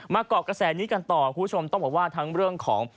เกาะกระแสนี้กันต่อคุณผู้ชมต้องบอกว่าทั้งเรื่องของ